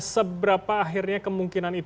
seberapa akhirnya kemungkinan